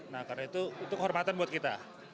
nah karena itu kehormatan buat kita